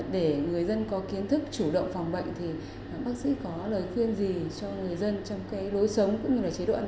để người dân có kiến thức chủ động phòng bệnh thì bác sĩ có lời khuyên gì cho người dân trong đối sống cũng như chế độ ăn uống